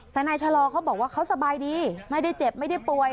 แต่นายชะลอเขาบอกว่าเขาสบายดีไม่ได้เจ็บไม่ได้ป่วย